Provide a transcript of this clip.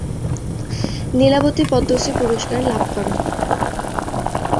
লীলাবতী পদ্মশ্রী পুরস্কার লাভ করেন।